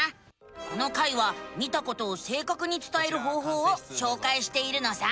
この回は見たことをせいかくにつたえる方法をしょうかいしているのさ。